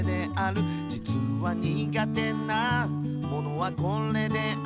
「じつは苦手なものはこれである」